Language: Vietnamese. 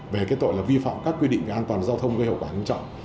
về tội vi phạm các quy định an toàn giao thông gây hậu quả nghiêm trọng